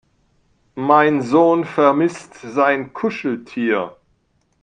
Mein Sohn vermisst sein Kuscheltier.